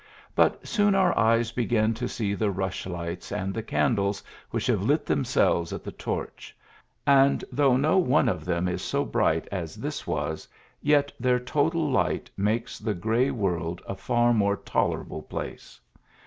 But soon our eyes begin to see the rushlights and the candles which have lit themselves at the torch ; and, though no one of them is so bright as this was, yet their total light makes the gray world a far more tolerable place.